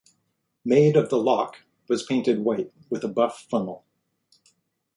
"Maid of the Loch" was painted white with a buff funnel.